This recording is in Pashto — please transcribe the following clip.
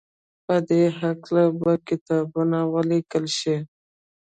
په دې هکله به کتابونه وليکل شي.